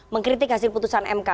mengkritik hasil putusan mk